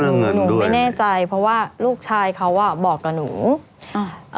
เรื่องเงินด้วยหนูไม่แน่ใจเพราะว่าลูกชายเขาว่าบอกกับหนูอ่า